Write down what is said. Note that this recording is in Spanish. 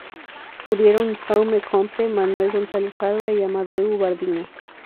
Murieron Jaume Compte, Manuel González Alba y Amadeu Bardina.